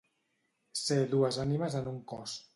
Ser dues ànimes en un cos.